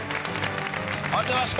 ありがとうございます。